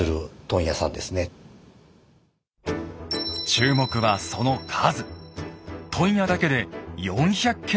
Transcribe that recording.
注目はその数。